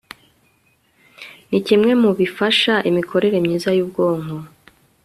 ni kimwe mu bifasha imikorere myiza y'ubwonko